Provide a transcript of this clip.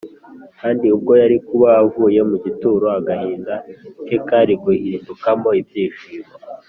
Kandi ubwo yari kuba avuye mu gituro agahinda ke kari guhindukamo ibyishimo